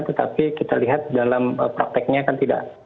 tetapi kita lihat dalam prakteknya kan tidak